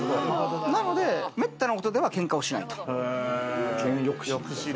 なので、めったなことでは喧嘩をしない。